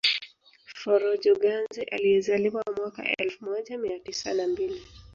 Forojo Ganze aliyezaliwa mwaka elfu moja mia tisa na mbili